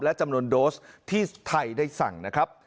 และจำนวนโดสที่ไทยได้สั่ง